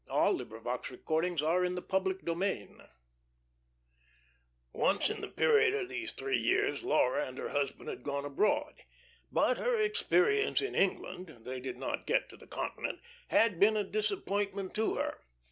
And though he blustered at first, Laura had her way. Once in the period of these three years Laura and her husband had gone abroad. But her experience in England they did not get to the Continent had been a disappointment to her.